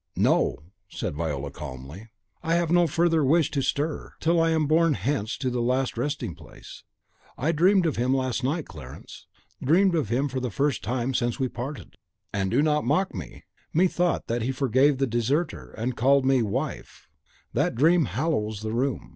"No," said Viola, calmly; "I have no further wish to stir, till I am born hence to the last resting place. I dreamed of him last night, Clarence! dreamed of him for the first time since we parted; and, do not mock me, methought that he forgave the deserter, and called me 'Wife.' That dream hallows the room.